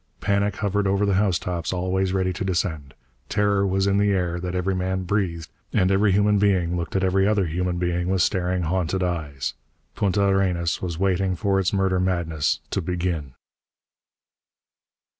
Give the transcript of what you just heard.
Panic hovered over the housetops, always ready to descend. Terror was in the air that every man breathed, and every human being looked at every other human being with staring, haunted eyes. Punta Arenas was waiting for its murder madness to begin.